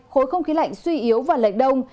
khối không khí lạnh suy yếu và lệch đông